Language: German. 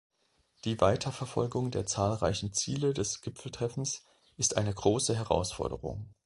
Die Weiterverfolgung der zahlreichen Ziele des Gipfeltreffens ist eine große Herausforderung.